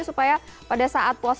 supaya pada saat puasa